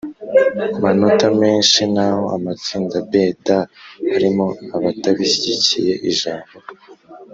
manota menshi naho amatsinda B, D arimo abatabishyigikiye. Ijambo